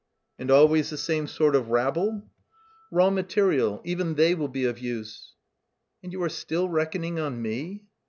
"And always the same sort of rabble!" "Raw material. Even they will be of use." "And you are still reckoning on me?"